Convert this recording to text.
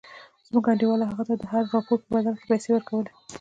زموږ انډيوالانو هغه ته د هر راپور په بدل کښې پيسې ورکولې.